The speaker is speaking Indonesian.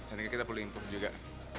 tekniknya kita perlu improve juga